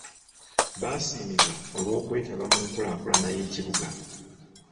Baasiimibwa olw'okwetaba mu nkulaakulana y'ekibuga.